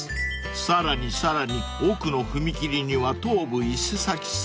［さらにさらに奥の踏切には東武伊勢崎線］